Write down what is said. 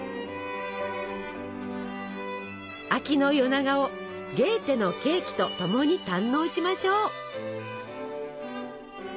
秋の夜長を「ゲーテのケーキ」とともに堪能しましょう！